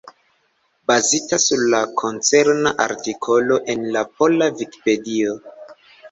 Bazita sur la koncerna artikolo en la pola Vikipedio.